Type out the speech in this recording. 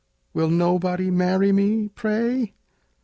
Will nobody marry me, pray!